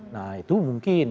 nah itu mungkin